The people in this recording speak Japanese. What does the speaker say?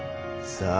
さあ！